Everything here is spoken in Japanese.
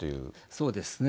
そうですね。